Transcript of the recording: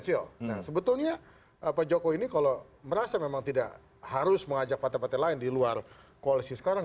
sebetulnya pak jokowi ini kalau merasa memang tidak harus mengajak partai partai lain di luar koalisi sekarang